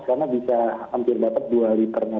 karena bisa hampir dapat dua liternya